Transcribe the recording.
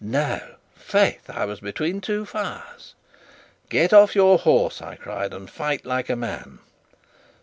"No? Faith, I was between two fires!" "Get off your horse," I cried, "and fight like a man."